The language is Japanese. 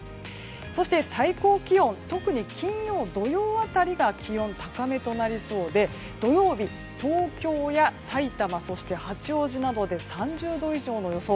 そして最高気温特に金曜、土曜辺りが気温、高めとなりそうで土曜日、東京やさいたまそして八王子などで３０度以上の予想。